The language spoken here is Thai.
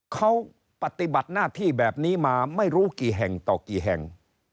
เขาปฏิบัติหน้าที่แบบนี้มาไม่รู้กี่แห่งต่อกี่แห่ง